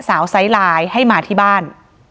สาวไซรายให้มาที่บ้าน